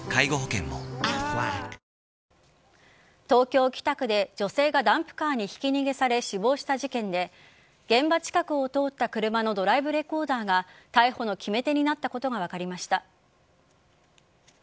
東京・北区で女性がダンプカーにひき逃げされ死亡した事件で現場近くを通った車のドライブレコーダーが逮捕の決め手になったことが分かりました。